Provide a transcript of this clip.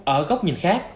ở góc nhìn khác